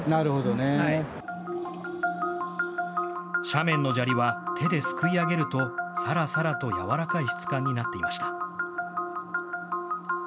斜面の砂利は手ですくい上げるとさらさらと、軟らかい質感になっていました。